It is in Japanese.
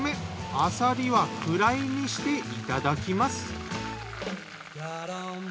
アサリはフライにしていただきます。